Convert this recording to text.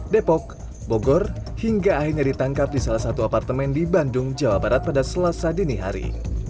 depok bogor hingga akhirnya ditangkap di salah satu apartemen di bandung jawa barat pada selasa dini hari